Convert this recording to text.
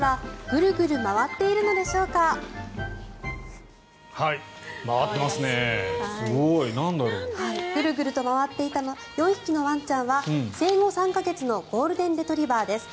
グルグルと回っていた４匹のワンちゃんは生後３か月のゴールデンレトリバーです。